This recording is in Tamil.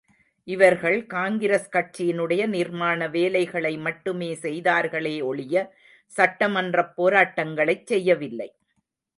இவர்கள் காங்கிரஸ் கட்சியினுடைய நிர்மாண வேலைகளை மட்டுமே செய்தார்களே ஒழிய சட்டமன்றப் போராட்டங்களைச் செய்யவில்லை.